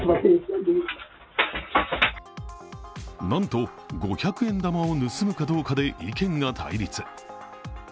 なんと、五百円玉を盗むかどうかで意見が対立。